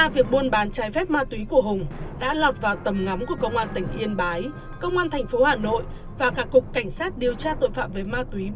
thực ra việc buôn bán trái phép ma túy của hùng đã lọt vào tầm ngắm của công an tỉnh yên bái công an thành phố hà nội và cả cục cảnh sát điều tra tội phạm với ma túy bộ công an